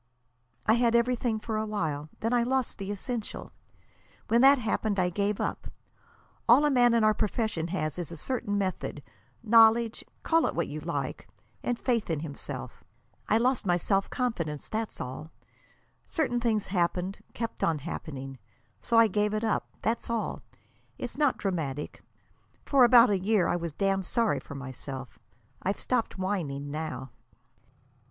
"I had everything for a while. Then I lost the essential. When that happened I gave up. All a man in our profession has is a certain method, knowledge call it what you like, and faith in himself. I lost my self confidence; that's all. Certain things happened; kept on happening. So I gave it up. That's all. It's not dramatic. For about a year I was damned sorry for myself. I've stopped whining now."